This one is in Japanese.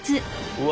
うわ。